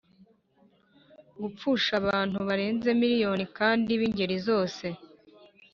Gupfusha abantu barenze miliyoni kandi b ingeri zose